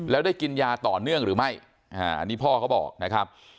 แล้วได้กินยาต่อเนื่องหรือไม่อันนี้พ่อเขาบอกนะครับ